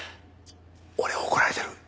俺怒られてる？